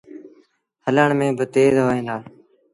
هلڻ ميݩ با تيز هوئيݩ دآ ۔